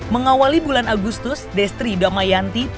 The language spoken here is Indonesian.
mengawali bulan agustus destri damayanti bergantian dengan